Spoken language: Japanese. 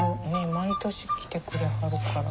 毎年来てくれはるから。